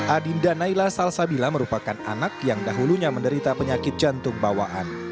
adinda naila salsabila merupakan anak yang dahulunya menderita penyakit jantung bawaan